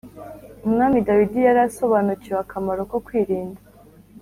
Umwami Dawidi yari asobanukiwe akamaro ko kwirinda